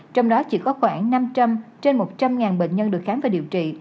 trong đó chỉ có khoảng năm trăm linh trên một trăm linh bệnh nhân được khám và điều trị